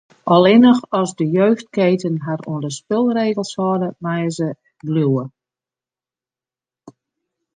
Allinnich as de jeugdketen har oan de spulregels hâlde, meie se bliuwe.